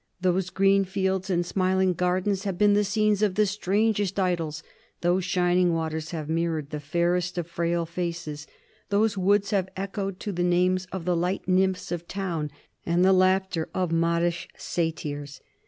Those green fields and smiling gardens have been the scenes of the strangest idyls; those shining waters have mirrored the fairest of frail faces; those woods have echoed to the names of the light nymphs of town and the laughter of modish satyrs.